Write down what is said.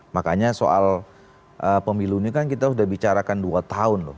makanya soal pemilu ini kan kita sudah bicarakan dua tahun loh